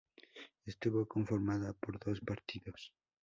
Estuvo conformada por dos partidos.